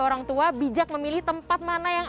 orang tua bijak memilih tempat mana yang